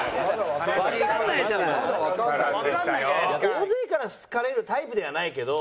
大勢から好かれるタイプではないけど。